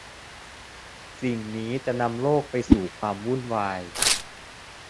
สิ่งนี้จะนำโลกไปสู่ความวุ่นวาย